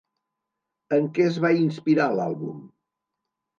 En què es va inspirar l'àlbum?